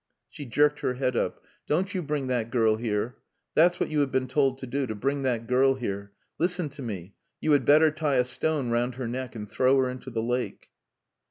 She jerked her head up. "Don't you bring that girl here. That's what you have been told to do to bring that girl here. Listen to me; you had better tie a stone round her neck and throw her into the lake."